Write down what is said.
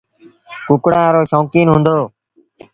ڪُڪڙآن رو شوڪيٚن هُݩدو۔